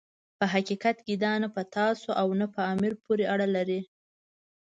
په حقیقت کې دا نه په تاسو او نه په امیر پورې اړه لري.